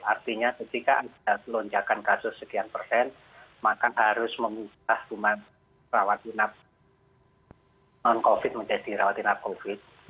artinya ketika ada lonjakan kasus sekian persen maka harus mengubah rumah rawatinap non covid menjadi rawatinap covid